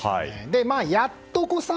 やっとこさ